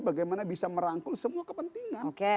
bagaimana bisa merangkul semua kepentingan